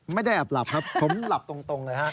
ไม่ได้แอบหลับครับผมหลับตรงเลยฮะ